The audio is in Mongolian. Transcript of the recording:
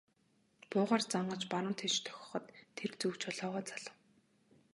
Буугаар зангаж баруун тийш дохиход тэр зүг жолоогоо залав.